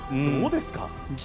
どうですか？